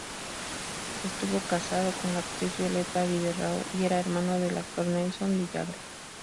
Estuvo casado con la actriz Violeta Vidaurre y era hermano del actor Nelson Villagra.